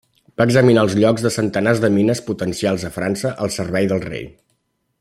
Va examinar els llocs de centenars de mines potencials a França al servei del rei.